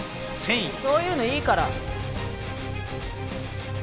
そういうのいいから。